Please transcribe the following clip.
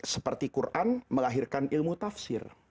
seperti quran melahirkan ilmu tafsir